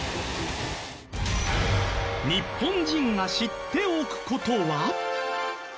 日本人が知っておくことは？